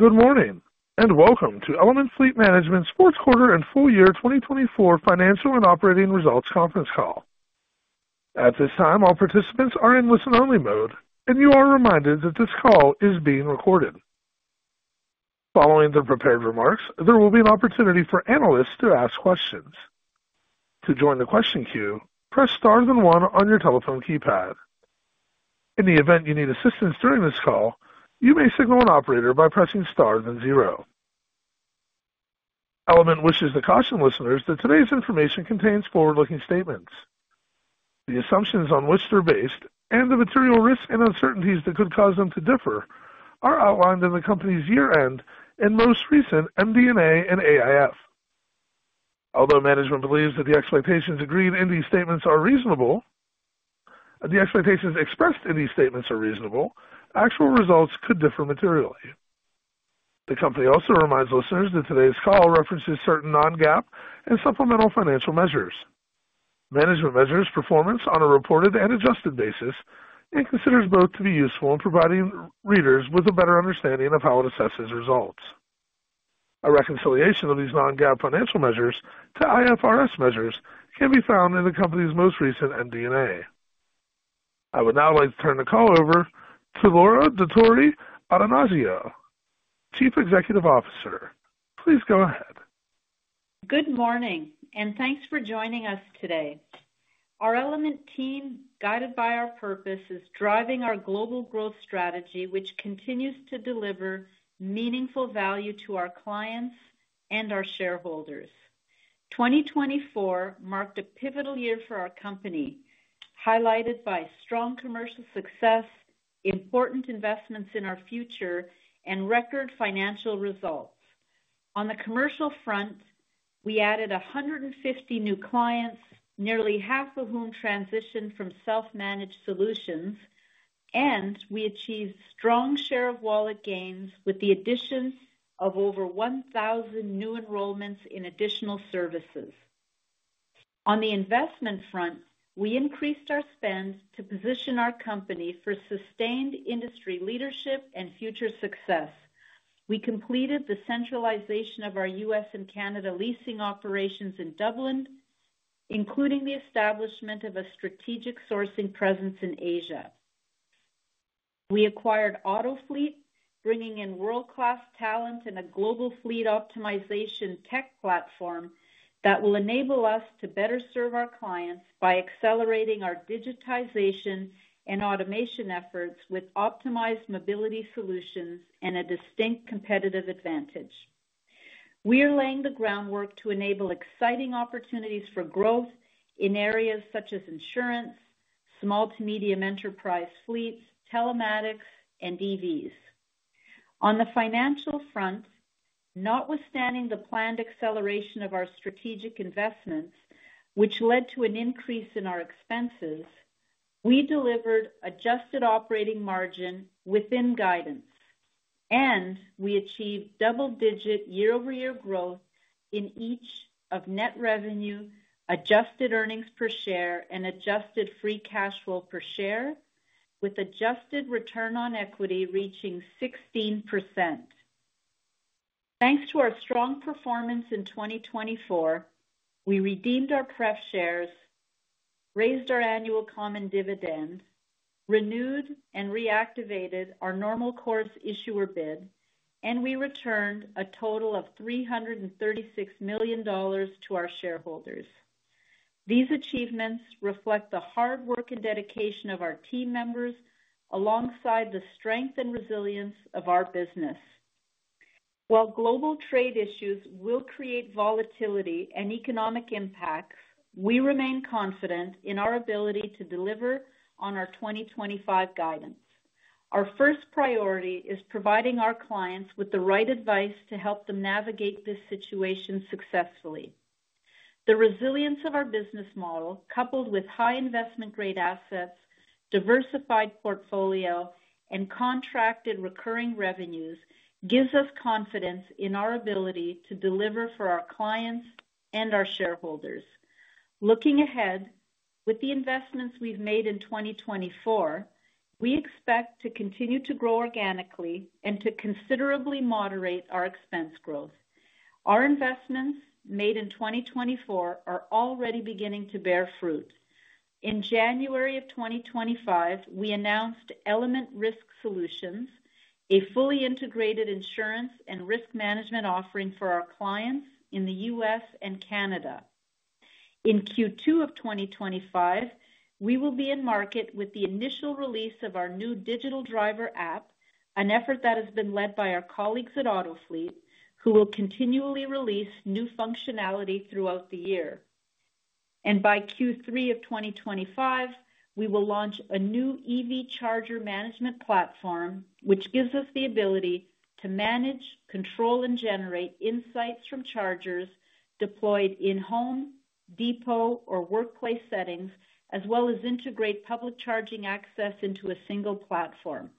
Good morning and welcome to Element Fleet Management's Fourth Quarter and Full Year 2024 Financial and Operating Results conference call. At this time, all participants are in listen-only mode, and you are reminded that this call is being recorded. Following the prepared remarks, there will be an opportunity for analysts to ask questions. To join the question queue, press star then one on your telephone keypad. In the event you need assistance during this call, you may signal an operator by pressing star then zero. Element wishes to caution listeners that today's information contains forward-looking statements. The assumptions on which they're based and the material risks and uncertainties that could cause them to differ are outlined in the company's year-end and most recent MD&A and AIF. Although management believes that the expectations agreed in these statements are reasonable, the expectations expressed in these statements are reasonable. Actual results could differ materially. The company also reminds listeners that today's call references certain non-GAAP and supplemental financial measures. Management measures performance on a reported and adjusted basis and considers both to be useful in providing readers with a better understanding of how it assesses results. A reconciliation of these non-GAAP financial measures to IFRS measures can be found in the company's most recent MD&A. I would now like to turn the call over to Laura Dottori-Attanasio, Chief Executive Officer. Please go ahead. Good morning, and thanks for joining us today. Our Element team, guided by our purpose, is driving our global growth strategy, which continues to deliver meaningful value to our clients and our shareholders. 2024 marked a pivotal year for our company, highlighted by strong commercial success, important investments in our future, and record financial results. On the commercial front, we added 150 new clients, nearly half of whom transitioned from self-managed solutions, and we achieved strong share of wallet gains with the addition of over 1,000 new enrollments in additional services. On the investment front, we increased our spend to position our company for sustained industry leadership and future success. We completed the centralization of our U.S. and Canada leasing operations in Dublin, including the establishment of a strategic sourcing presence in Asia. We acquired Autofleet, bringing in world-class talent and a global fleet optimization tech platform that will enable us to better serve our clients by accelerating our digitization and automation efforts with optimized mobility solutions and a distinct competitive advantage. We are laying the groundwork to enable exciting opportunities for growth in areas such as insurance, small to medium enterprise fleets, telematics, and EVs. On the financial front, notwithstanding the planned acceleration of our strategic investments, which led to an increase in our expenses, we delivered adjusted operating margin within guidance, and we achieved double-digit year-over-year growth in each of net revenue, adjusted earnings per share, and adjusted free cash flow per share, with adjusted return on equity reaching 16%. Thanks to our strong performance in 2024, we redeemed our preferred shares, raised our annual common dividend, renewed and reactivated our normal course issuer bid, and we returned a total of $336 million to our shareholders. These achievements reflect the hard work and dedication of our team members alongside the strength and resilience of our business. While global trade issues will create volatility and economic impacts, we remain confident in our ability to deliver on our 2025 guidance. Our first priority is providing our clients with the right advice to help them navigate this situation successfully. The resilience of our business model, coupled with high investment-grade assets, diversified portfolio, and contracted recurring revenues, gives us confidence in our ability to deliver for our clients and our shareholders. Looking ahead, with the investments we've made in 2024, we expect to continue to grow organically and to considerably moderate our expense growth. Our investments made in 2024 are already beginning to bear fruit. In January of 2025, we announced Element Risk Solutions, a fully integrated insurance and risk management offering for our clients in the U.S. and Canada. In Q2 of 2025, we will be in market with the initial release of our new Digital Driver App, an effort that has been led by our colleagues at Autofleet, who will continually release new functionality throughout the year, and by Q3 of 2025, we will launch a new EV Charger Management Platform, which gives us the ability to manage, control, and generate insights from chargers deployed in home, depot, or workplace settings, as well as integrate public charging access into a single platform,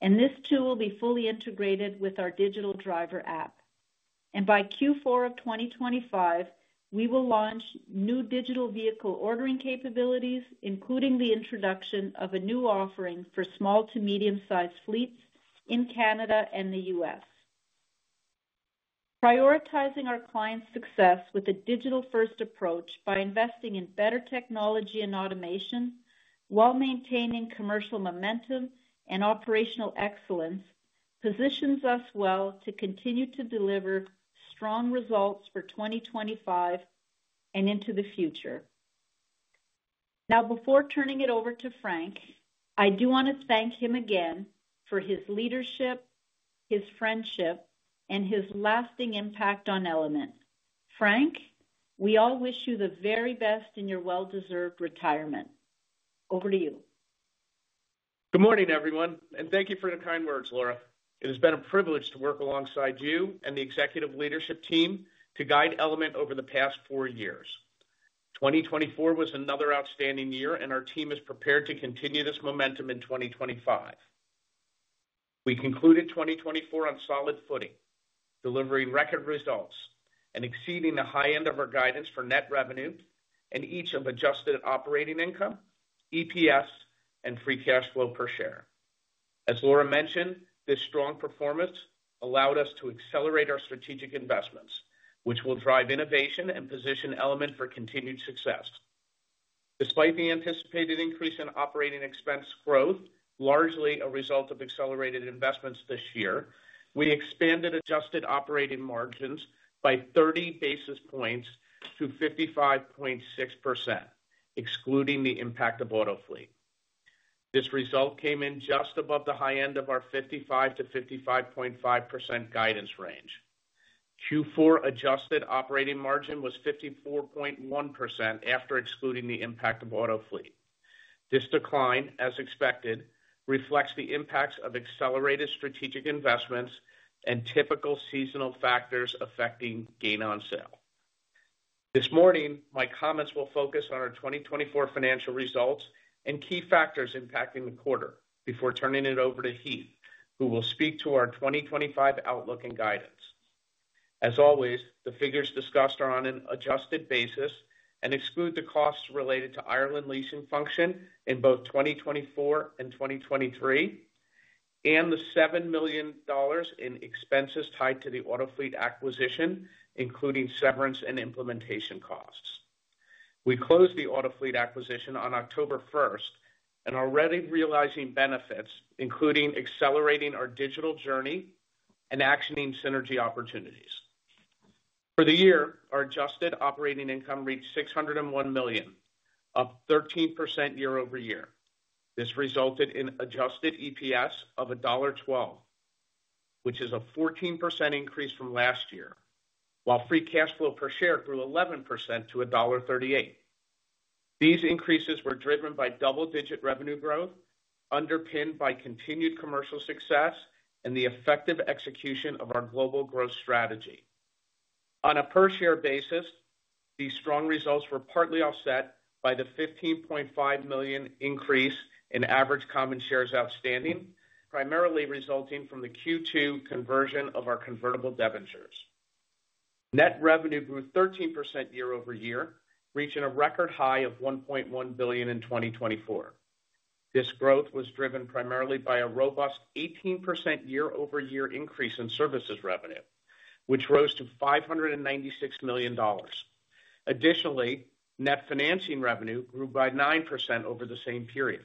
and this tool will be fully integrated with our Digital Driver App. And by Q4 of 2025, we will launch new digital vehicle ordering capabilities, including the introduction of a new offering for small to medium-sized fleets in Canada and the U.S. Prioritizing our clients' success with a digital-first approach by investing in better technology and automation while maintaining commercial momentum and operational excellence positions us well to continue to deliver strong results for 2025 and into the future. Now, before turning it over to Frank, I do want to thank him again for his leadership, his friendship, and his lasting impact on Element. Frank, we all wish you the very best in your well-deserved retirement. Over to you. Good morning, everyone, and thank you for the kind words, Laura. It has been a privilege to work alongside you and the executive leadership team to guide Element over the past four years. 2024 was another outstanding year, and our team is prepared to continue this momentum in 2025. We concluded 2024 on solid footing, delivering record results and exceeding the high end of our guidance for net revenue and each of adjusted operating income, EPS, and free cash flow per share. As Laura mentioned, this strong performance allowed us to accelerate our strategic investments, which will drive innovation and position Element for continued success. Despite the anticipated increase in operating expense growth, largely a result of accelerated investments this year, we expanded adjusted operating margins by 30 basis points to 55.6%, excluding the impact of Autofleet. This result came in just above the high end of our 55%-55.5% guidance range. Q4 adjusted operating margin was 54.1% after excluding the impact of Autofleet. This decline, as expected, reflects the impacts of accelerated strategic investments and typical seasonal factors affecting gain on sale. This morning, my comments will focus on our 2024 financial results and key factors impacting the quarter before turning it over to Heath, who will speak to our 2025 outlook and guidance. As always, the figures discussed are on an adjusted basis and exclude the costs related to Ireland leasing function in both 2024 and 2023, and the $7 million in expenses tied to the Autofleet acquisition, including severance and implementation costs. We closed the Autofleet acquisition on October 1st and are already realizing benefits, including accelerating our digital journey and actioning synergy opportunities. For the year, our adjusted operating income reached $601 million, up 13% year-over-year. This resulted in adjusted EPS of $1.12, which is a 14% increase from last year, while free cash flow per share grew 11% to $1.38. These increases were driven by double-digit revenue growth, underpinned by continued commercial success and the effective execution of our global growth strategy. On a per-share basis, these strong results were partly offset by the $15.5 million increase in average common shares outstanding, primarily resulting from the Q2 conversion of our convertible debentures. Net revenue grew 13% year-over-year, reaching a record high of $1.1 billion in 2024. This growth was driven primarily by a robust 18% year-over-year increase in services revenue, which rose to $596 million. Additionally, net financing revenue grew by 9% over the same period.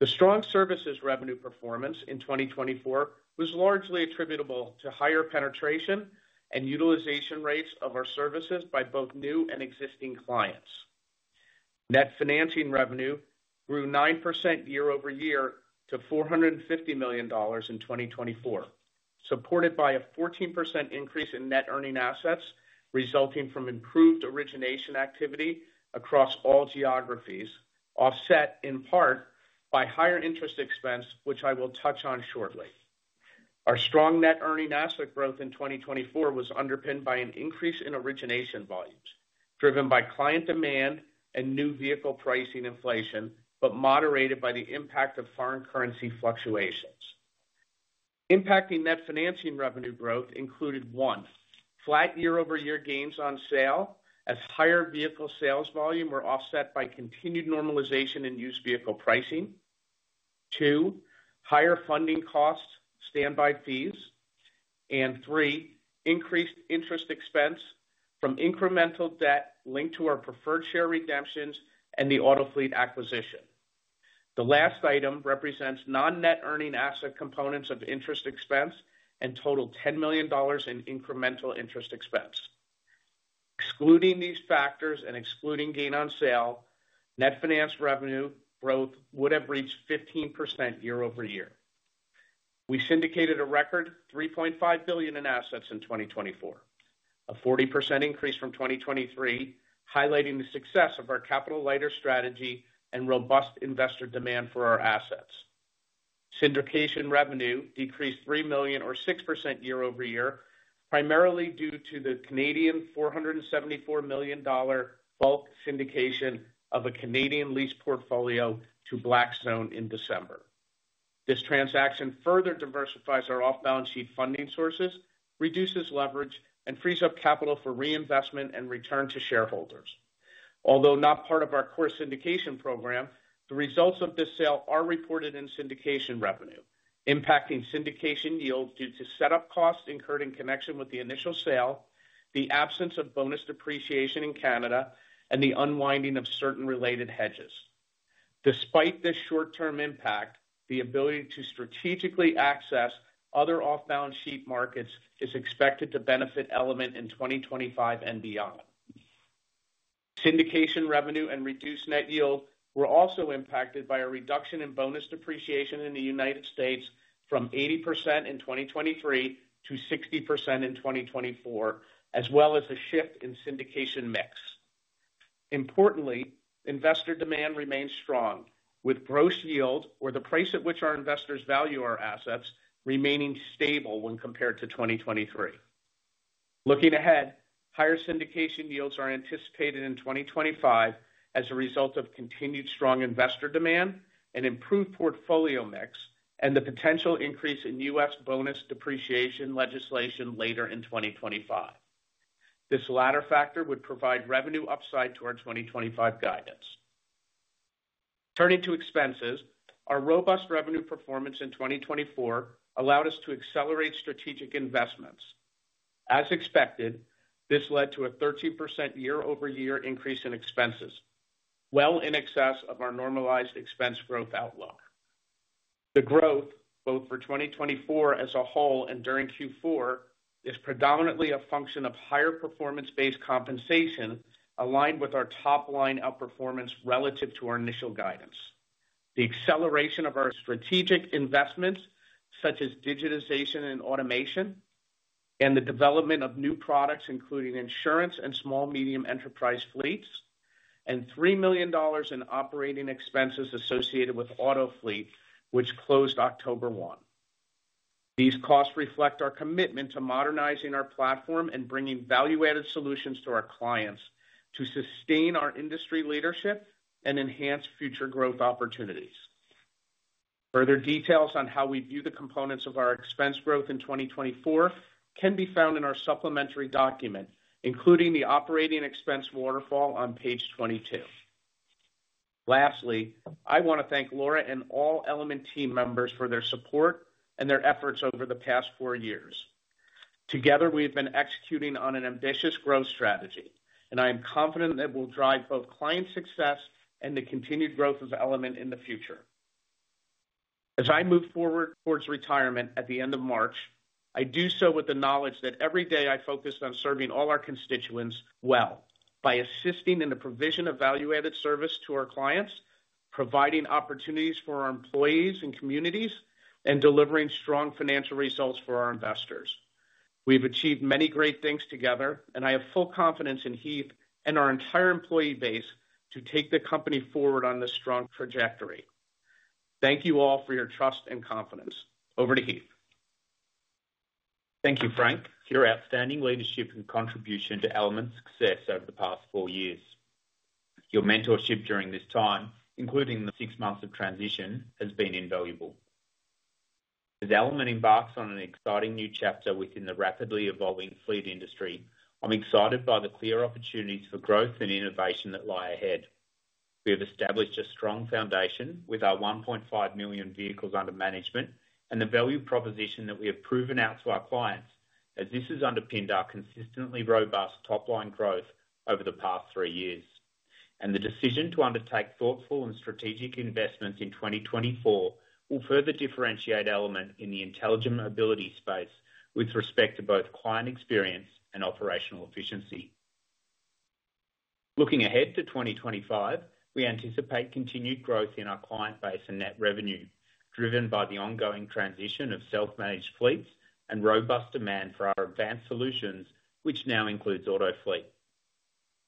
The strong services revenue performance in 2024 was largely attributable to higher penetration and utilization rates of our services by both new and existing clients. Net financing revenue grew 9% year-over-year to $450 million in 2024, supported by a 14% increase in net earning assets resulting from improved origination activity across all geographies, offset in part by higher interest expense, which I will touch on shortly. Our strong net earning asset growth in 2024 was underpinned by an increase in origination volumes driven by client demand and new vehicle pricing inflation, but moderated by the impact of foreign currency fluctuations. Impacting net financing revenue growth included: one, flat year-over-year gains on sale as higher vehicle sales volume were offset by continued normalization in used vehicle pricing; two, higher funding costs, standby fees; and three, increased interest expense from incremental debt linked to our preferred share redemptions and the Autofleet acquisition. The last item represents non-net earning asset components of interest expense and totaled $10 million in incremental interest expense. Excluding these factors and excluding gain on sale, net financing revenue growth would have reached 15% year-over-year. We syndicated a record $3.5 billion in assets in 2024, a 40% increase from 2023, highlighting the success of our capital lighter strategy and robust investor demand for our assets. Syndication revenue decreased $3 million, or 6% year-over-year, primarily due to the 474 million Canadian dollars bulk syndication of a Canadian lease portfolio to Blackstone in December. This transaction further diversifies our off-balance sheet funding sources, reduces leverage, and frees up capital for reinvestment and return to shareholders. Although not part of our core syndication program, the results of this sale are reported in syndication revenue, impacting syndication yield due to setup costs incurred in connection with the initial sale, the absence of bonus depreciation in Canada, and the unwinding of certain related hedges. Despite this short-term impact, the ability to strategically access other off-balance sheet markets is expected to benefit Element in 2025 and beyond. Syndication revenue and reduced net yield were also impacted by a reduction in bonus depreciation in the United States from 80% in 2023 to 60% in 2024, as well as a shift in syndication mix. Importantly, investor demand remains strong, with gross yield, or the price at which our investors value our assets, remaining stable when compared to 2023. Looking ahead, higher syndication yields are anticipated in 2025 as a result of continued strong investor demand, an improved portfolio mix, and the potential increase in U.S. bonus depreciation legislation later in 2025. This latter factor would provide revenue upside to our 2025 guidance. Turning to expenses, our robust revenue performance in 2024 allowed us to accelerate strategic investments. As expected, this led to a 13% year-over-year increase in expenses, well in excess of our normalized expense growth outlook. The growth, both for 2024 as a whole and during Q4, is predominantly a function of higher performance-based compensation aligned with our top-line outperformance relative to our initial guidance. The acceleration of our strategic investments, such as digitization and automation, and the development of new products, including insurance and small-medium enterprise fleets, and $3 million in operating expenses associated with Autofleet, which closed October 1. These costs reflect our commitment to modernizing our platform and bringing value-added solutions to our clients to sustain our industry leadership and enhance future growth opportunities. Further details on how we view the components of our expense growth in 2024 can be found in our supplementary document, including the operating expense waterfall on page 22. Lastly, I want to thank Laura and all Element team members for their support and their efforts over the past four years. Together, we have been executing on an ambitious growth strategy, and I am confident that it will drive both client success and the continued growth of Element in the future. As I move forward toward retirement at the end of March, I do so with the knowledge that every day I focus on serving all our constituents well by assisting in the provision of value-added service to our clients, providing opportunities for our employees and communities, and delivering strong financial results for our investors. We've achieved many great things together, and I have full confidence in Heath and our entire employee base to take the company forward on this strong trajectory. Thank you all for your trust and confidence. Over to Heath. Thank you, Frank. Your outstanding leadership and contribution to Element's success over the past four years. Your mentorship during this time, including the six months of transition, has been invaluable. As Element embarks on an exciting new chapter within the rapidly evolving fleet industry, I'm excited by the clear opportunities for growth and innovation that lie ahead. We have established a strong foundation with our 1.5 million vehicles under management and the value proposition that we have proven out to our clients, as this has underpinned our consistently robust top-line growth over the past three years, and the decision to undertake thoughtful and strategic investments in 2024 will further differentiate Element in the intelligent mobility space with respect to both client experience and operational efficiency. Looking ahead to 2025, we anticipate continued growth in our client base and net revenue, driven by the ongoing transition of self-managed fleets and robust demand for our advanced solutions, which now includes Autofleet.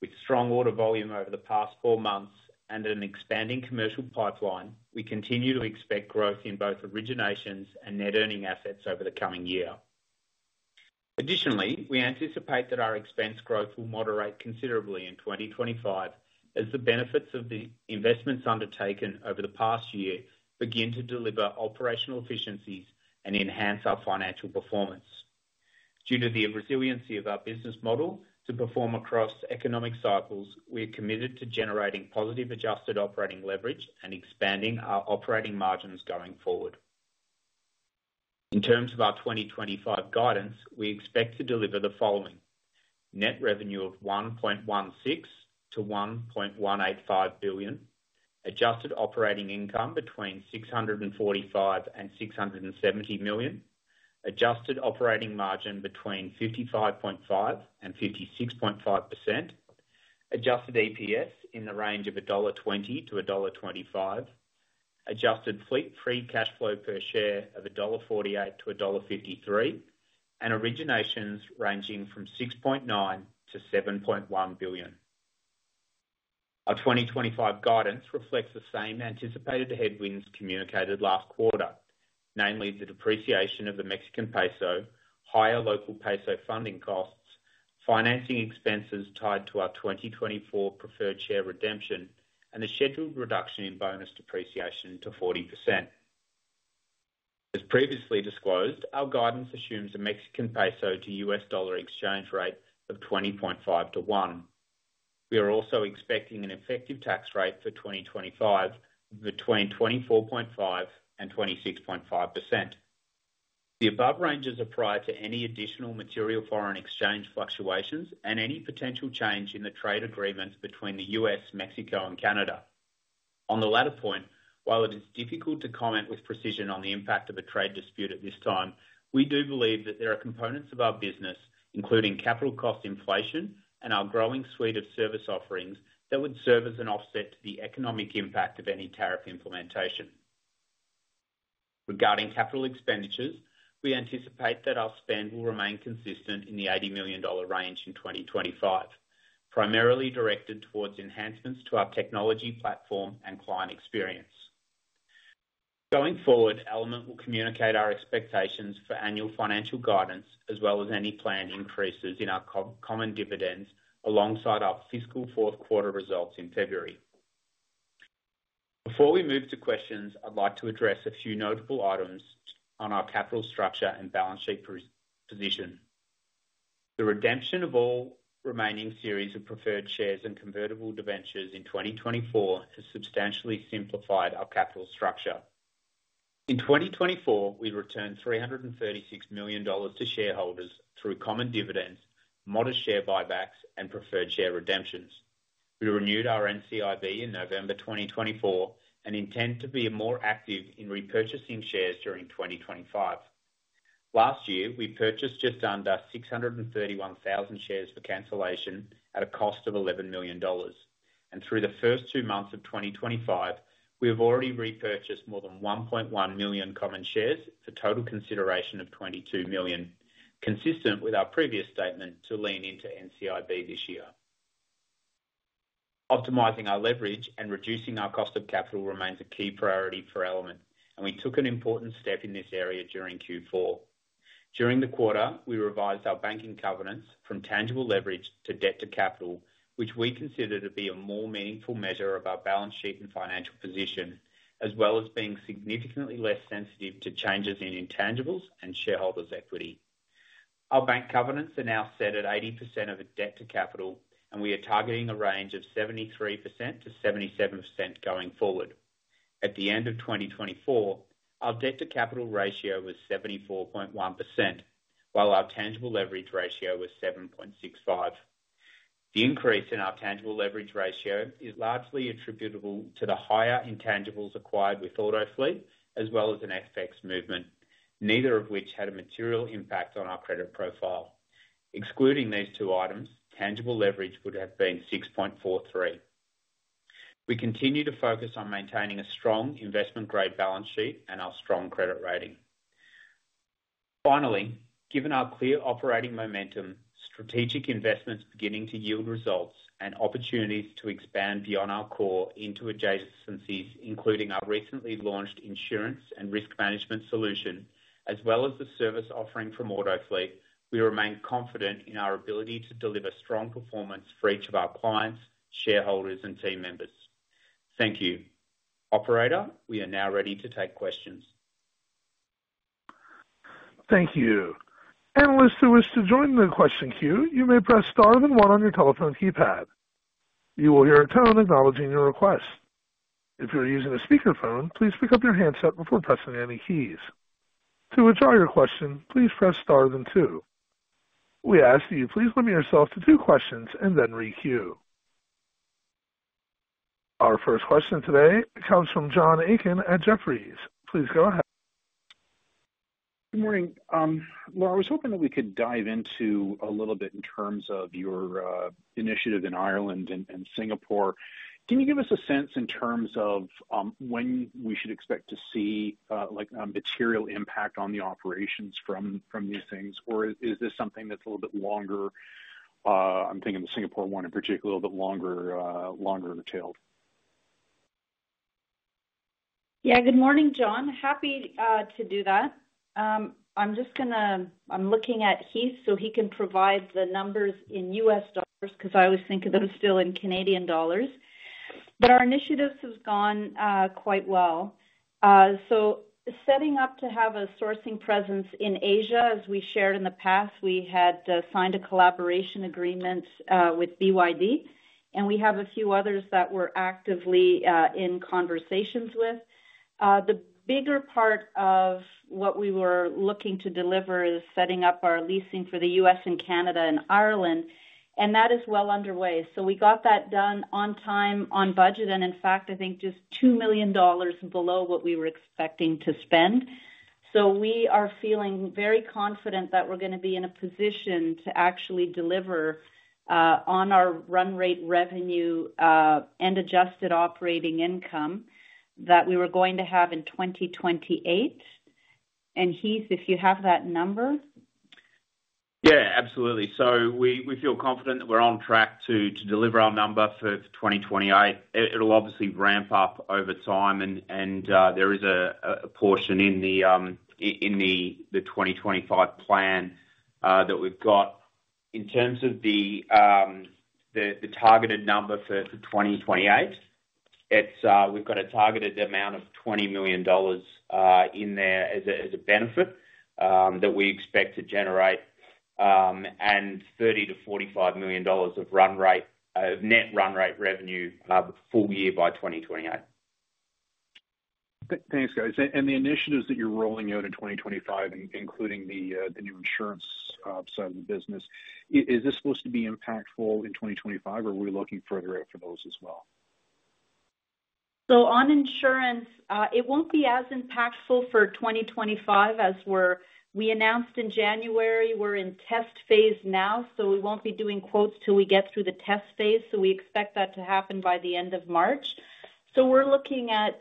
With strong order volume over the past four months and an expanding commercial pipeline, we continue to expect growth in both originations and net earning assets over the coming year. Additionally, we anticipate that our expense growth will moderate considerably in 2025, as the benefits of the investments undertaken over the past year begin to deliver operational efficiencies and enhance our financial performance. Due to the resiliency of our business model to perform across economic cycles, we are committed to generating positive adjusted operating leverage and expanding our operating margins going forward. In terms of our 2025 guidance, we expect to deliver the following: net revenue of $1.16 billion-$1.185 billion, adjusted operating income between $645 million-$670 million, adjusted operating margin between 55.5%-56.5%, adjusted EPS in the range of $1.20-$1.25, adjusted fleet free cash flow per share of $1.48-$1.53, and originations ranging from $6.9 billion-$7.1 billion. Our 2025 guidance reflects the same anticipated headwinds communicated last quarter, namely the depreciation of the Mexican peso, higher local peso funding costs, financing expenses tied to our 2024 preferred share redemption, and the scheduled reduction in bonus depreciation to 40%. As previously disclosed, our guidance assumes a Mexican peso to U.S. dollar exchange rate of 20.5 to 1. We are also expecting an effective tax rate for 2025 between 24.5%-26.5%. The above ranges are prior to any additional material foreign exchange fluctuations and any potential change in the trade agreements between the U.S., Mexico, and Canada. On the latter point, while it is difficult to comment with precision on the impact of a trade dispute at this time, we do believe that there are components of our business, including capital cost inflation and our growing suite of service offerings, that would serve as an offset to the economic impact of any tariff implementation. Regarding capital expenditures, we anticipate that our spend will remain consistent in the $80 million range in 2025, primarily directed towards enhancements to our technology platform and client experience. Going forward, Element will communicate our expectations for annual financial guidance, as well as any planned increases in our common dividends alongside our fiscal fourth quarter results in February. Before we move to questions, I'd like to address a few notable items on our capital structure and balance sheet position. The redemption of all remaining series of preferred shares and convertible debentures in 2024 has substantially simplified our capital structure. In 2024, we returned $336 million to shareholders through common dividends, modest share buybacks, and preferred share redemptions. We renewed our NCIB in November 2024 and intend to be more active in repurchasing shares during 2025. Last year, we purchased just under 631,000 shares for cancellation at a cost of $11 million, and through the first two months of 2025, we have already repurchased more than 1.1 million common shares for a total consideration of $22 million, consistent with our previous statement to lean into NCIB this year. Optimizing our leverage and reducing our cost of capital remains a key priority for Element, and we took an important step in this area during Q4. During the quarter, we revised our banking covenants from tangible leverage to debt to capital, which we consider to be a more meaningful measure of our balance sheet and financial position, as well as being significantly less sensitive to changes in intangibles and shareholders' equity. Our bank covenants are now set at 80% of debt to capital, and we are targeting a range of 73%-77% going forward. At the end of 2024, our debt to capital ratio was 74.1%, while our tangible leverage ratio was 7.65. The increase in our tangible leverage ratio is largely attributable to the higher intangibles acquired with Autofleet, as well as an FX movement, neither of which had a material impact on our credit profile. Excluding these two items, tangible leverage would have been 6.43. We continue to focus on maintaining a strong investment-grade balance sheet and our strong credit rating. Finally, given our clear operating momentum, strategic investments beginning to yield results, and opportunities to expand beyond our core into adjacencies, including our recently launched insurance and risk management solution, as well as the service offering from Autofleet, we remain confident in our ability to deliver strong performance for each of our clients, shareholders, and team members. Thank you. Operator, we are now ready to take questions. Thank you. Analysts who wish to join the question queue, you may press star then one on your telephone keypad. You will hear a tone acknowledging your request. If you're using a speakerphone, please pick up your handset before pressing any keys. To withdraw your question, please press star then two. We ask that you please limit yourself to two questions and then re-queue. Our first question today comes from John Aiken at Jefferies. Please go ahead. Good morning. Laura, I was hoping that we could dive into a little bit in terms of your initiative in Ireland and Singapore. Can you give us a sense in terms of when we should expect to see a material impact on the operations from these things, or is this something that's a little bit longer? I'm thinking the Singapore one in particular, a little bit longer tailed. Yeah, good morning, John. Happy to do that. I'm just going to, I'm looking at Heath so he can provide the numbers in U.S. dollars because I always think of them still in Canadian dollars. But our initiatives have gone quite well, so setting up to have a sourcing presence in Asia, as we shared in the past, we had signed a collaboration agreement with BYD, and we have a few others that we're actively in conversations with. The bigger part of what we were looking to deliver is setting up our leasing for the U.S. and Canada and Ireland, and that is well underway, so we got that done on time, on budget, and in fact, I think just $2 million below what we were expecting to spend. So we are feeling very confident that we're going to be in a position to actually deliver on our run rate revenue and adjusted operating income that we were going to have in 2028. And Heath, if you have that number. Yeah, absolutely. So we feel confident that we're on track to deliver our number for 2028. It'll obviously ramp up over time, and there is a portion in the 2025 plan that we've got. In terms of the targeted number for 2028, we've got a targeted amount of $20 million in there as a benefit that we expect to generate and $30 million-$45 million of net run rate revenue full year by 2028. Thanks, guys. And the initiatives that you're rolling out in 2025, including the new insurance side of the business, is this supposed to be impactful in 2025, or are we looking further out for those as well? On insurance, it won't be as impactful for 2025 as we announced in January. We're in test phase now, so we won't be doing quotes till we get through the test phase. We expect that to happen by the end of March. We're looking at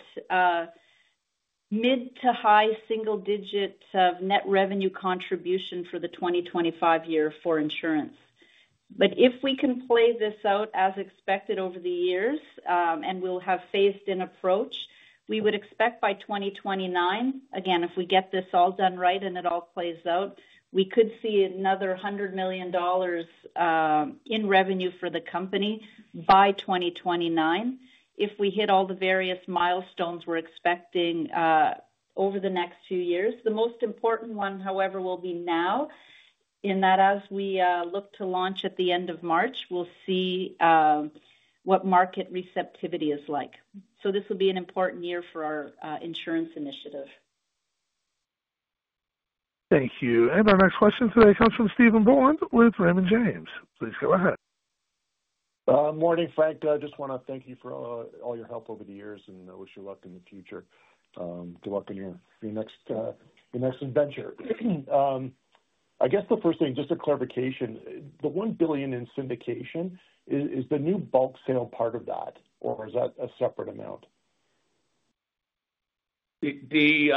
mid- to high single-digit net revenue contribution for the 2025 year for insurance. If we can play this out as expected over the years and we'll have phased-in approach, we would expect by 2029, again, if we get this all done right and it all plays out, we could see another $100 million in revenue for the company by 2029 if we hit all the various milestones we're expecting over the next few years. The most important one, however, will be now, in that as we look to launch at the end of March, we'll see what market receptivity is like. So this will be an important year for our insurance initiative. Thank you. And our next question today comes from Stephen Boland with Raymond James. Please go ahead. Morning, Frank. I just want to thank you for all your help over the years, and I wish you luck in the future. Good luck in your next adventure. I guess the first thing, just a clarification, the $1 billion in syndication, is the new bulk sale part of that, or is that a separate amount? The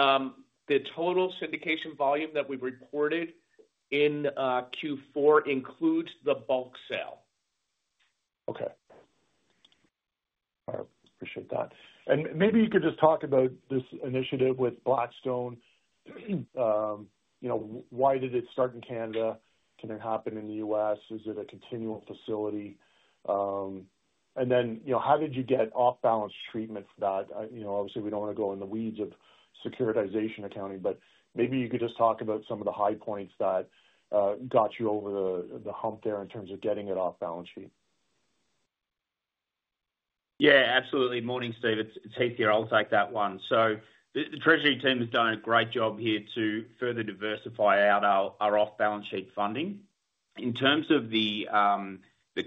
total syndication volume that we've reported in Q4 includes the bulk sale. Okay. All right. Appreciate that. And maybe you could just talk about this initiative with Blackstone. Why did it start in Canada? Can it happen in the U.S.? Is it a continual facility? And then how did you get off-balance treatment for that? Obviously, we don't want to go in the weeds of securitization accounting, but maybe you could just talk about some of the high points that got you over the hump there in terms of getting it off-balance sheet. Yeah, absolutely. Morning, Steve. It's Heath here. I'll take that one. So the Treasury team has done a great job here to further diversify out our off-balance sheet funding. In terms of the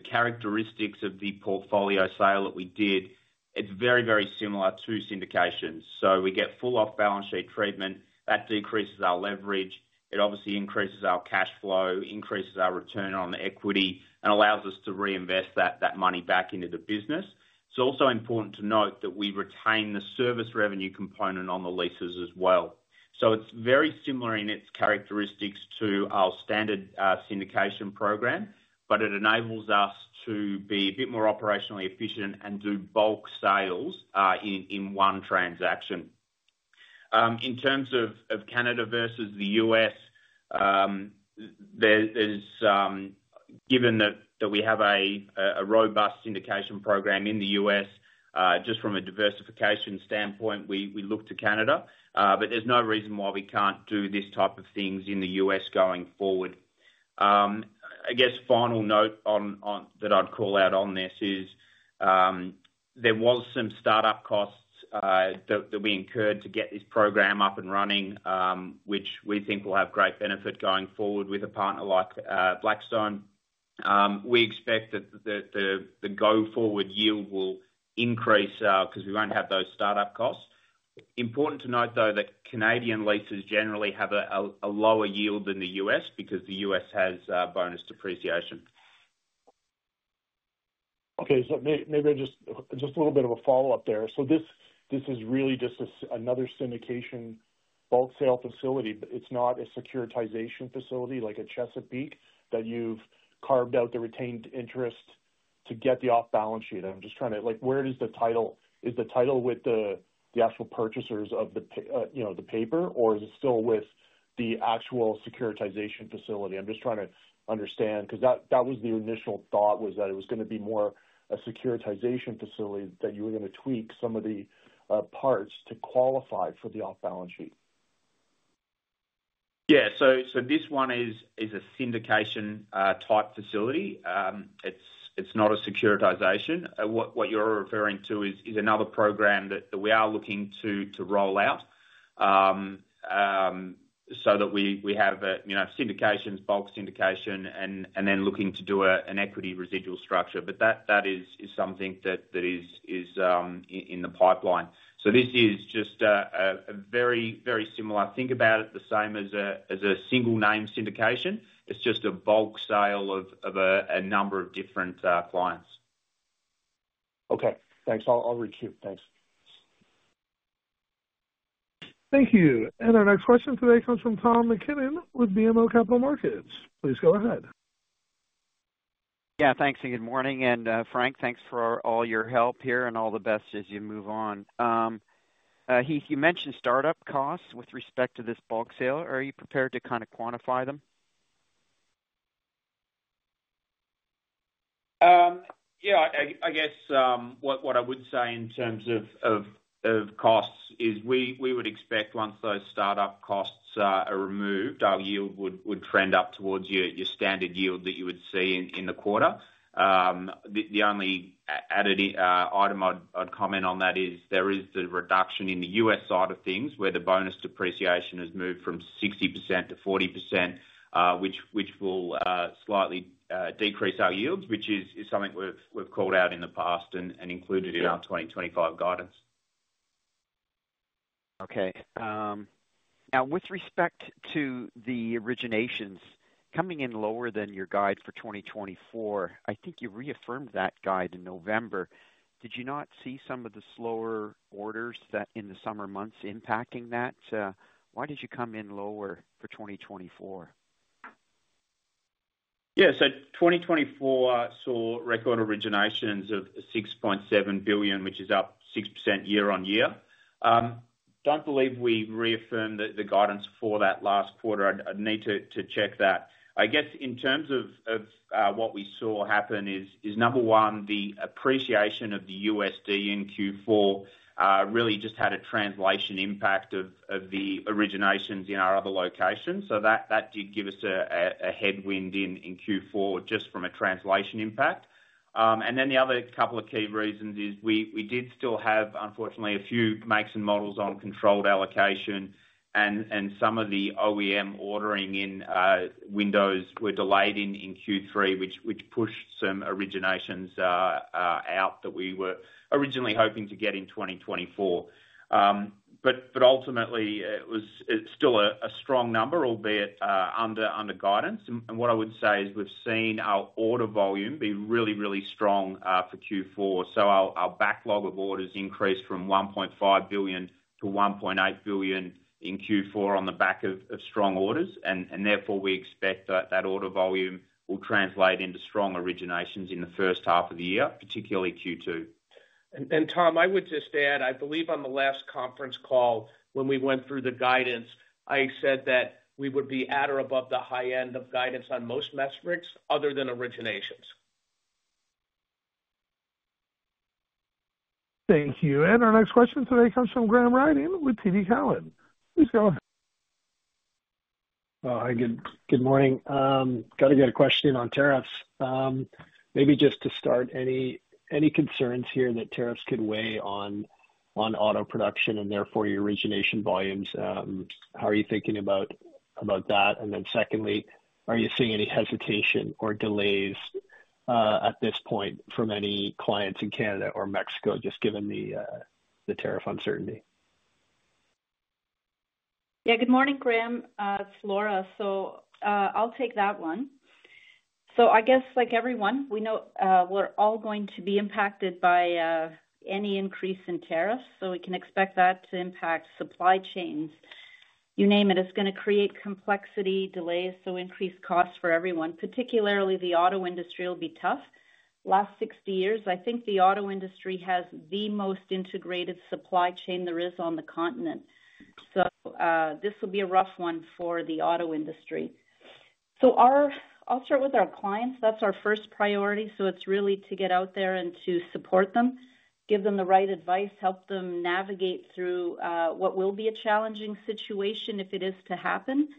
characteristics of the portfolio sale that we did, it's very, very similar to syndication. So we get full off-balance sheet treatment. That decreases our leverage. It obviously increases our cash flow, increases our return on equity, and allows us to reinvest that money back into the business. It's also important to note that we retain the service revenue component on the leases as well. So it's very similar in its characteristics to our standard syndication program, but it enables us to be a bit more operationally efficient and do bulk sales in one transaction. In terms of Canada versus the U.S., given that we have a robust syndication program in the U.S., just from a diversification standpoint, we look to Canada, but there's no reason why we can't do this type of things in the U.S. going forward. I guess final note that I'd call out on this is there were some startup costs that we incurred to get this program up and running, which we think will have great benefit going forward with a partner like Blackstone. We expect that the go-forward yield will increase because we won't have those startup costs. Important to note, though, that Canadian leases generally have a lower yield than the U.S. because the U.S. has bonus depreciation. Okay. So maybe just a little bit of a follow-up there. So this is really just another syndication bulk sale facility, but it's not a securitization facility like at Chesapeake that you've carved out the retained interest to get the off-balance sheet. I'm just trying to, where is the title? Is the title with the actual purchasers of the paper, or is it still with the actual securitization facility? I'm just trying to understand because that was the initial thought, was that it was going to be more a securitization facility that you were going to tweak some of the parts to qualify for the off-balance sheet. Yeah. So this one is a syndication-type facility. It's not a securitization. What you're referring to is another program that we are looking to roll out so that we have a syndication, bulk syndication, and then looking to do an equity residual structure. But that is something that is in the pipeline. So this is just a very, very similar. Think about it the same as a single-name syndication. It's just a bulk sale of a number of different clients. Okay. Thanks. I'll re-queue. Thanks. Thank you. And our next question today comes from Tom MacKinnon with BMO Capital Markets. Please go ahead. Yeah. Thanks and good morning. And Frank, thanks for all your help here and all the best as you move on. Heath, you mentioned startup costs with respect to this bulk sale. Are you prepared to kind of quantify them? Yeah. I guess what I would say in terms of costs is we would expect once those startup costs are removed, our yield would trend up towards your standard yield that you would see in the quarter. The only added item I'd comment on that is there is the reduction in the U.S. side of things where the bonus depreciation has moved from 60% to 40%, which will slightly decrease our yields, which is something we've called out in the past and included in our 2025 guidance. Okay. Now, with respect to the originations coming in lower than your guide for 2024, I think you reaffirmed that guide in November. Did you not see some of the slower orders in the summer months impacting that? Why did you come in lower for 2024? Yeah. So 2024 saw record originations of $6.7 billion, which is up 6% year-on-year. Don't believe we reaffirmed the guidance for that last quarter. I'd need to check that. I guess in terms of what we saw happen is, number one, the appreciation of the USD in Q4 really just had a translation impact of the originations in our other locations. So that did give us a headwind in Q4 just from a translation impact. And then the other couple of key reasons is we did still have, unfortunately, a few makes and models on controlled allocation, and some of the OEM ordering in windows were delayed in Q3, which pushed some originations out that we were originally hoping to get in 2024. But ultimately, it was still a strong number, albeit under guidance. What I would say is we've seen our order volume be really, really strong for Q4. So our backlog of orders increased from $1.5 billion-$1.8 billion in Q4 on the back of strong orders. And therefore, we expect that order volume will translate into strong originations in the first half of the year, particularly Q2. And Tom, I would just add, I believe on the last conference call when we went through the guidance, I said that we would be at or above the high end of guidance on most metrics other than originations. Thank you. And our next question today comes from Graham Ryding with TD Cowen. Please go ahead. Good morning. Got to get a question in on tariffs. Maybe just to start, any concerns here that tariffs could weigh on auto production and therefore your origination volumes? How are you thinking about that? And then secondly, are you seeing any hesitation or delays at this point from any clients in Canada or Mexico, just given the tariff uncertainty? Yeah. Good morning, Graham. It's Laura. So I'll take that one. So I guess like everyone, we're all going to be impacted by any increase in tariffs. So we can expect that to impact supply chains. You name it. It's going to create complexity, delays, so increased costs for everyone. Particularly, the auto industry will be tough. Last 60 years, I think the auto industry has the most integrated supply chain there is on the continent. So this will be a rough one for the auto industry. So I'll start with our clients. That's our first priority. So it's really to get out there and to support them, give them the right advice, help them navigate through what will be a challenging situation if it is to happen.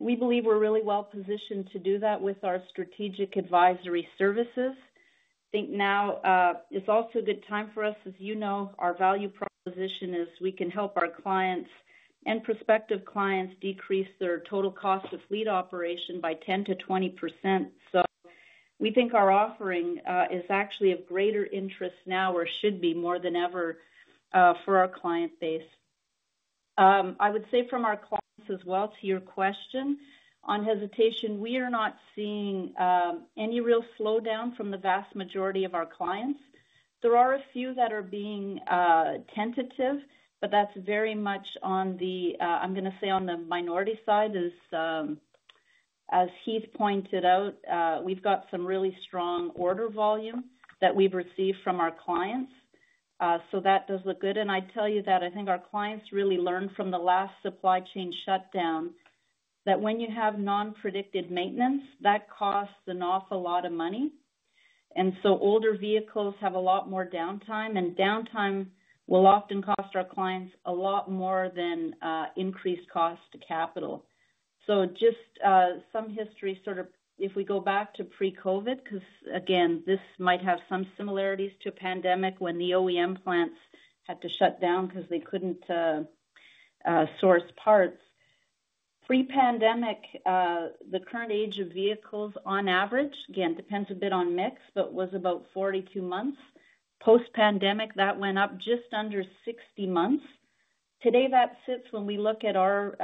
We believe we're really well positioned to do that with our strategic advisory services. I think now is also a good time for us. As you know, our value proposition is we can help our clients and prospective clients decrease their total cost of fleet operation by 10%-20%. So we think our offering is actually of greater interest now or should be more than ever for our client base. I would say from our clients as well, to your question on hesitation, we are not seeing any real slowdown from the vast majority of our clients. There are a few that are being tentative, but that's very much on the, I'm going to say, minority side. As Heath pointed out, we've got some really strong order volume that we've received from our clients. So that does look good. And I tell you that I think our clients really learned from the last supply chain shutdown that when you have non-predicted maintenance, that costs an awful lot of money. And so older vehicles have a lot more downtime, and downtime will often cost our clients a lot more than increased cost to capital. So just some history sort of if we go back to pre-COVID, because again, this might have some similarities to a pandemic when the OEM plants had to shut down because they couldn't source parts. Pre-pandemic, the current age of vehicles on average, again, depends a bit on mix, but was about 42 months. Post-pandemic, that went up just under 60 months. Today, that sits when we look at our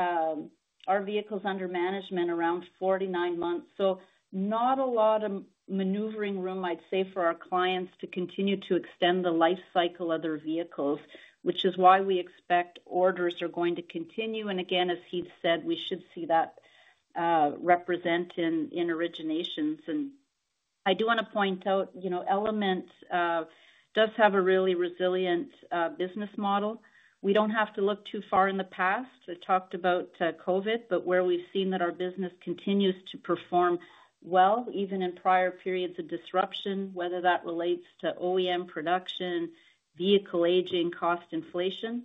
vehicles under management around 49 months. So not a lot of maneuvering room, I'd say, for our clients to continue to extend the life cycle of their vehicles, which is why we expect orders are going to continue. And again, as Heath said, we should see that represented in originations. And I do want to point out Element does have a really resilient business model. We don't have to look too far in the past. I talked about COVID, but where we've seen that our business continues to perform well, even in prior periods of disruption, whether that relates to OEM production, vehicle aging, cost inflation.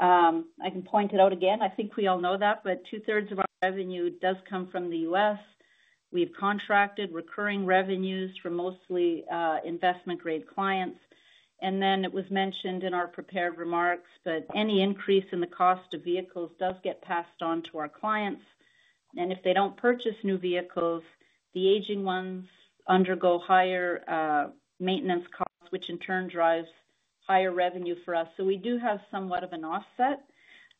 I can point it out again. I think we all know that, but 2/3 of our revenue does come from the U.S. We've contracted recurring revenues for mostly investment-grade clients. And then it was mentioned in our prepared remarks, but any increase in the cost of vehicles does get passed on to our clients. And if they don't purchase new vehicles, the aging ones undergo higher maintenance costs, which in turn drives higher revenue for us. So we do have somewhat of an offset.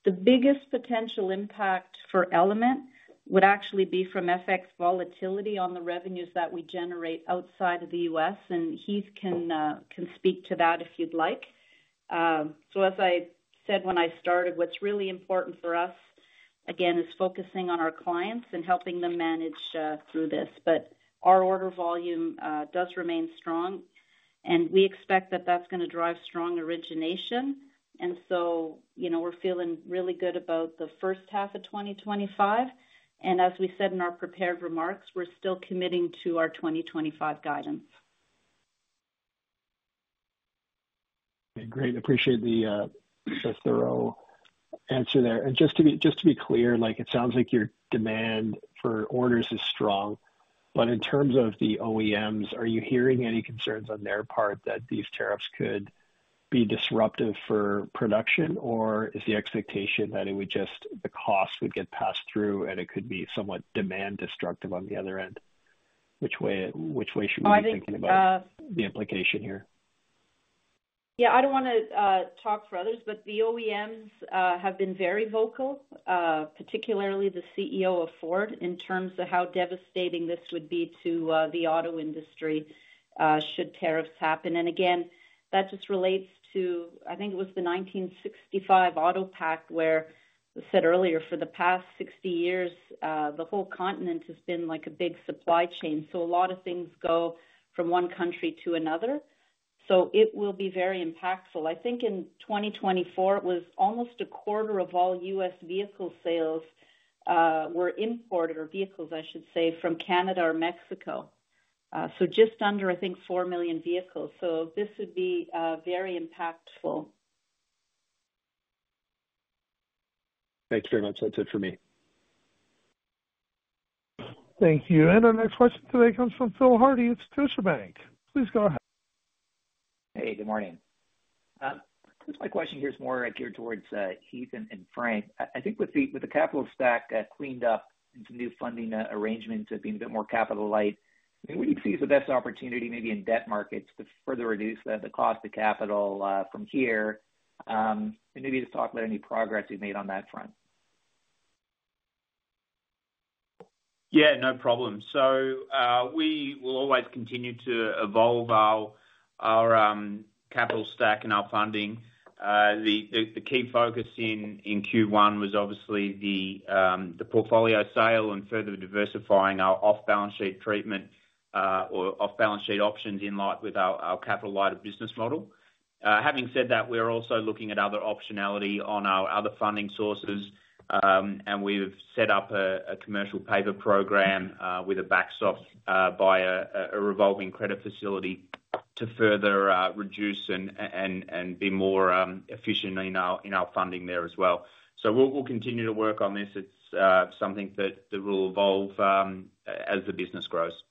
The biggest potential impact for Element would actually be from FX volatility on the revenues that we generate outside of the U.S. And Heath can speak to that if you'd like. So as I said when I started, what's really important for us, again, is focusing on our clients and helping them manage through this. But our order volume does remain strong, and we expect that that's going to drive strong origination. And so we're feeling really good about the first half of 2025. As we said in our prepared remarks, we're still committing to our 2025 guidance. Great. Appreciate the thorough answer there. And just to be clear, it sounds like your demand for orders is strong. But in terms of the OEMs, are you hearing any concerns on their part that these tariffs could be disruptive for production, or is the expectation that it would just, the cost would get passed through and it could be somewhat demand-destructive on the other end? Which way should we be thinking about the implication here? Yeah. I don't want to talk for others, but the OEMs have been very vocal, particularly the CEO of Ford, in terms of how devastating this would be to the auto industry should tariffs happen. And again, that just relates to, I think it was the 1965 Auto Pact, where I said earlier, for the past 60 years, the whole continent has been like a big supply chain. So a lot of things go from one country to another. So it will be very impactful. I think in 2024, it was almost a quarter of all U.S. vehicle sales were imported, or vehicles, I should say, from Canada or Mexico. So just under, I think, 4 million vehicles. So this would be very impactful. Thanks very much. That's it for me. Thank you. And our next question today comes from Phil Hardie at Scotiabank. Please go ahead. Hey, good morning. Just my question here is more geared towards Heath and Frank. I think with the capital stack cleaned up and some new funding arrangements being a bit more capital-light, I mean, what do you see as the best opportunity maybe in debt markets to further reduce the cost of capital from here? And maybe just talk about any progress you've made on that front. Yeah, no problem. So we will always continue to evolve our capital stack and our funding. The key focus in Q1 was obviously the portfolio sale and further diversifying our off-balance sheet treatment or off-balance sheet options in line with our capital-light business model. Having said that, we're also looking at other optionality on our other funding sources. And we've set up a commercial paper program with a backstop by a revolving credit facility to further reduce and be more efficient in our funding there as well. So we'll continue to work on this. It's something that will evolve as the business grows.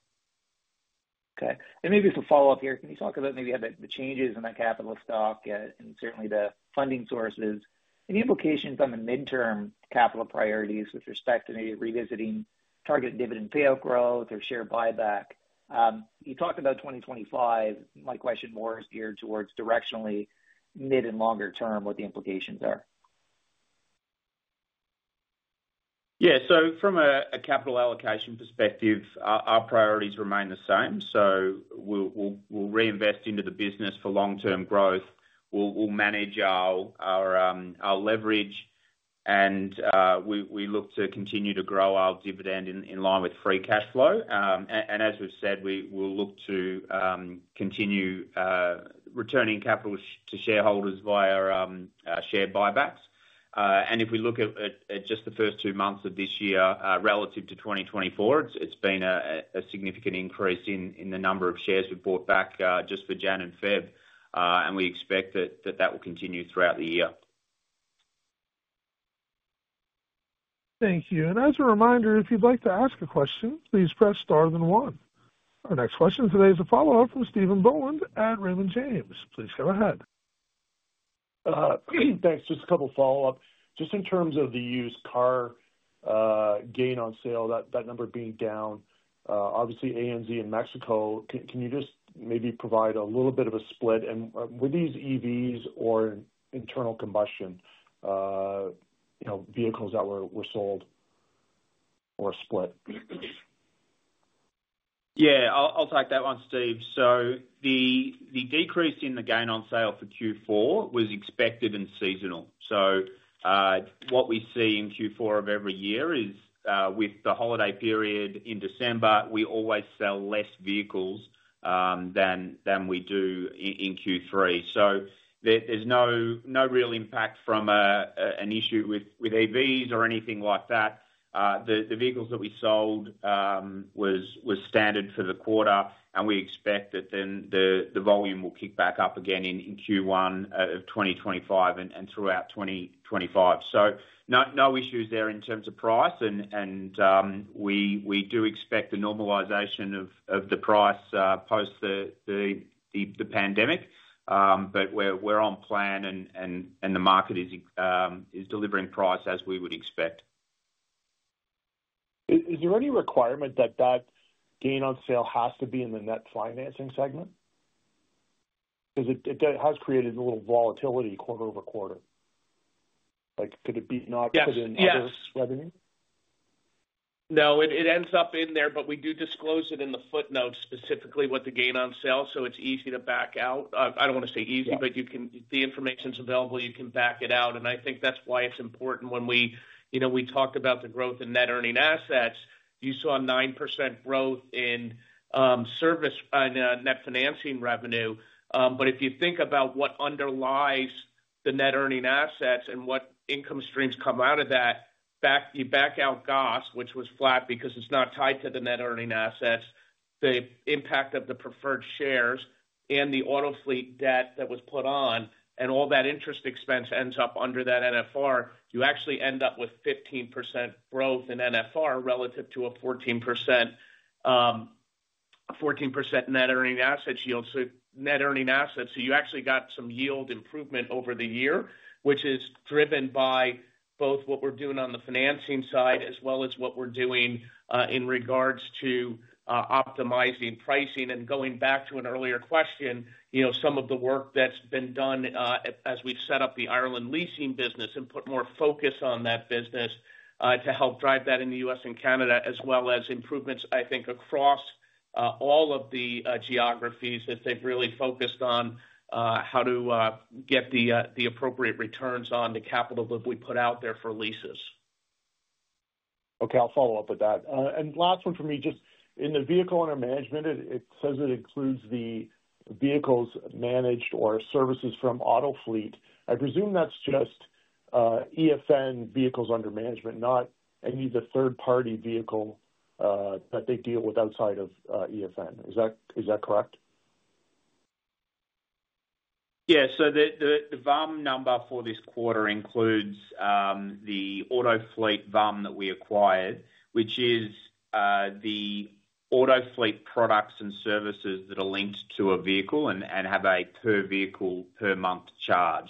Okay. And maybe for follow-up here, can you talk about maybe the changes in that capital stock and certainly the funding sources? Any implications on the midterm capital priorities with respect to maybe revisiting targeted dividend payout growth or share buyback? You talked about 2025. My question more is geared towards directionally mid and longer term what the implications are. Yeah. So from a capital allocation perspective, our priorities remain the same. So we'll reinvest into the business for long-term growth. We'll manage our leverage, and we look to continue to grow our dividend in line with free cash flow. And as we've said, we'll look to continue returning capital to shareholders via share buybacks. And if we look at just the first two months of this year relative to 2024, it's been a significant increase in the number of shares we bought back just for January and February. And we expect that that will continue throughout the year. Thank you. And as a reminder, if you'd like to ask a question, please press star then one. Our next question today is a follow-up from Stephen Boland at Raymond James. Please go ahead. Thanks. Just a couple of follow-ups. Just in terms of the used car gain on sale, that number being down, obviously ANZ and Mexico, can you just maybe provide a little bit of a split? And were these EVs or internal combustion vehicles that were sold or a split? Yeah. I'll take that one, Steve. So the decrease in the gain on sale for Q4 was expected and seasonal. So what we see in Q4 of every year is with the holiday period in December, we always sell less vehicles than we do in Q3. So there's no real impact from an issue with EVs or anything like that. The vehicles that we sold were standard for the quarter, and we expect that then the volume will kick back up again in Q1 of 2025 and throughout 2025. So no issues there in terms of price. And we do expect the normalization of the price post the pandemic, but we're on plan, and the market is delivering price as we would expect. Is there any requirement that that gain on sale has to be in the net financing segment? Because it has created a little volatility quarter over quarter. Could it be not put in other revenue? Yes. No. It ends up in there, but we do disclose it in the footnotes specifically what the gain on sale, so it's easy to back out. I don't want to say easy, but the information's available, you can back it out. And I think that's why it's important when we talk about the growth in net earning assets. You saw 9% growth in net financing revenue. But if you think about what underlies the net earning assets and what income streams come out of that, you back out GOS, which was flat because it's not tied to the net earning assets, the impact of the preferred shares, and the auto fleet debt that was put on, and all that interest expense ends up under that NFR, you actually end up with 15% growth in NFR relative to a 14% net earning asset yield. So net earning assets, so you actually got some yield improvement over the year, which is driven by both what we're doing on the financing side as well as what we're doing in regards to optimizing pricing. And going back to an earlier question, some of the work that's been done as we've set up the Ireland leasing business and put more focus on that business to help drive that in the U.S. and Canada, as well as improvements, I think, across all of the geographies that they've really focused on how to get the appropriate returns on the capital that we put out there for leases. Okay. I'll follow up with that. And last one for me. Just in the Vehicles Under Management, it says it includes the vehicles managed or serviced from Autofleet. I presume that's just EFN Vehicles Under Management, not any of the third-party vehicle that they deal with outside of EFN. Is that correct? Yeah, so the VUM number for this quarter includes the Autofleet VUM that we acquired, which is the Autofleet products and services that are linked to a vehicle and have a per-vehicle-per-month charge.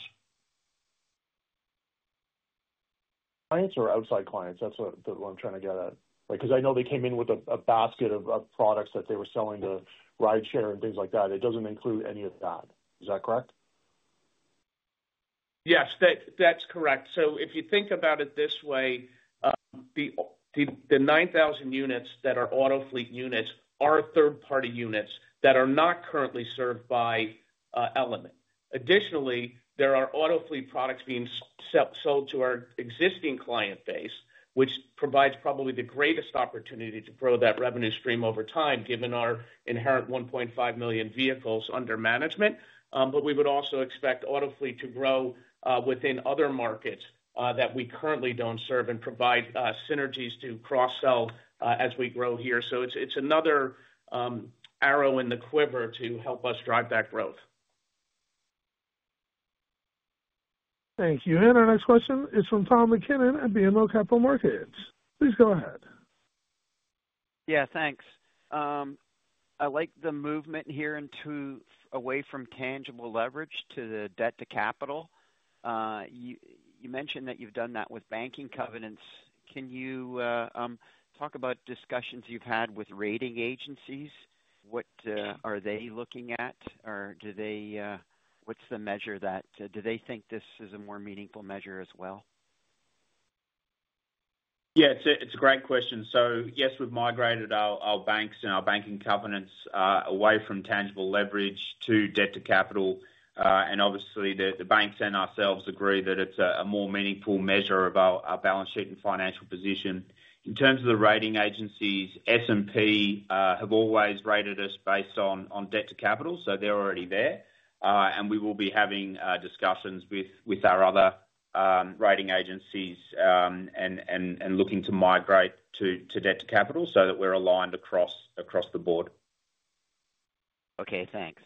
Clients or outside clients? That's what I'm trying to get at. Because I know they came in with a basket of products that they were selling to rideshare and things like that. It doesn't include any of that. Is that correct? Yes. That's correct. So if you think about it this way, the 9,000 units that are Autofleet units are third-party units that are not currently served by Element. Additionally, there are Autofleet products being sold to our existing client base, which provides probably the greatest opportunity to grow that revenue stream over time, given our inherent 1.5 million vehicles under management. But we would also expect Autofleet to grow within other markets that we currently don't serve and provide synergies to cross-sell as we grow here. So it's another arrow in the quiver to help us drive that growth. Thank you. And our next question is from Tom MacKinnon at BMO Capital Markets. Please go ahead. Yeah. Thanks. I like the movement here away from tangible leverage to the debt to capital. You mentioned that you've done that with banking covenants. Can you talk about discussions you've had with rating agencies? What are they looking at? Or what's the measure that do they think this is a more meaningful measure as well? Yeah. It's a great question. So yes, we've migrated our banks and our banking covenants away from tangible leverage to debt to capital. And obviously, the banks and ourselves agree that it's a more meaningful measure of our balance sheet and financial position. In terms of the rating agencies, S&P have always rated us based on debt to capital, so they're already there. And we will be having discussions with our other rating agencies and looking to migrate to debt to capital so that we're aligned across the board. Okay. Thanks.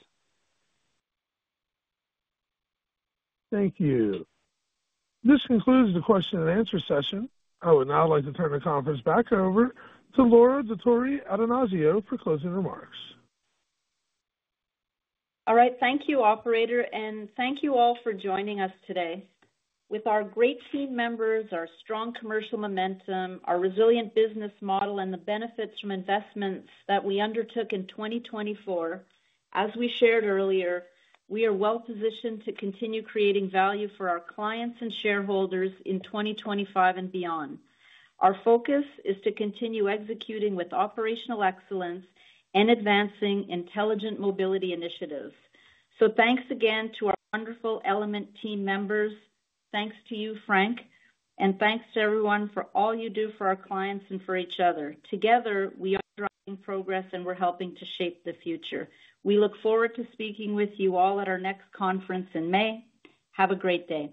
Thank you. This concludes the question and answer session. I would now like to turn the conference back over to Laura Dottori-Attanasio for closing remarks. All right. Thank you, Operator, and thank you all for joining us today. With our great team members, our strong commercial momentum, our resilient business model, and the benefits from investments that we undertook in 2024, as we shared earlier, we are well-positioned to continue creating value for our clients and shareholders in 2025 and beyond. Our focus is to continue executing with operational excellence and advancing intelligent mobility initiatives, so thanks again to our wonderful Element team members. Thanks to you, Frank, and thanks to everyone for all you do for our clients and for each other. Together, we are driving progress and we're helping to shape the future. We look forward to speaking with you all at our next conference in May. Have a great day.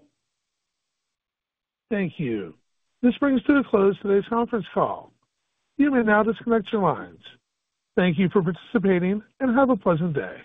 Thank you. This brings to a close today's conference call. You may now disconnect your lines. Thank you for participating and have a pleasant day.